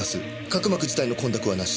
角膜自体の混濁はなし。